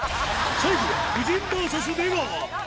最後は夫人ＶＳ出川。